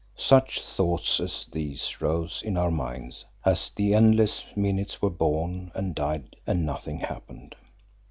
Such thoughts as these rose in our minds as the endless minutes were born and died and nothing happened.